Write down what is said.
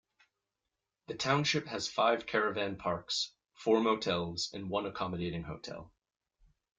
The township has five caravan parks, four motels and one accommodating hotel.